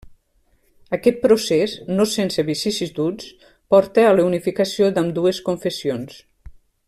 Aquest procés, no sense vicissituds, porta a la unificació d'ambdues confessions.